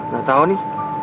gak tau nih